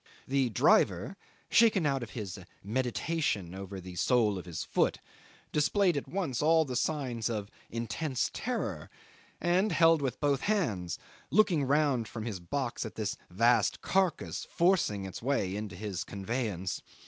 The driver, shaken out of his meditation over the sole of his foot, displayed at once all the signs of intense terror, and held with both hands, looking round from his box at this vast carcass forcing its way into his conveyance.